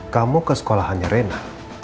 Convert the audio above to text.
kamu ke sekolahannya reina